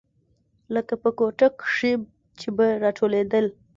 لکه په کوټه کښې چې به راټولېدل.